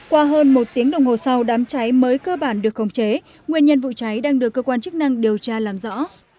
qua hơn một tiếng đồng hồ sau đám cháy mới cơ bản được khống chế nguyên nhân vụ cháy đang được cơ quan chức năng điều tra làm rõ